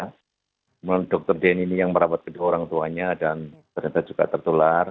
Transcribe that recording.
kemudian dr denn ini yang merawat kedua orang tuanya dan ternyata juga tertular